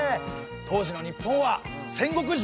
当時の日本は戦国時代。